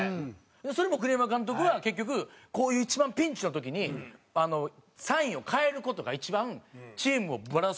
それも栗山監督は結局こういう一番ピンチの時にサインを変える事が一番チームをブラす事になると。